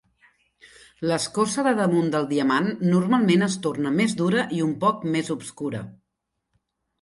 L'escorça de damunt del diamant normalment es torna més dura i un poc més obscura.